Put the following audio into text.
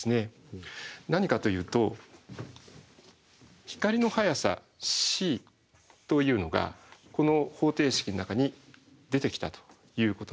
何かというと光の速さｃというのがこの方程式の中に出てきたということなんです。